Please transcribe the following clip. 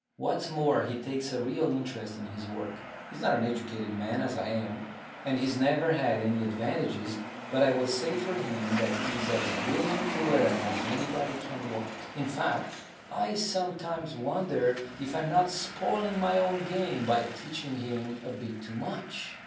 What's more, he takes a real interest in his work. He's not an educated man, as I am, and he's never had my advantages, but I will say for him that he's as willing to learn as anybody can want. In fact, I sometimes wonder if I'm not spoiling my own game by teaching him a bit too much.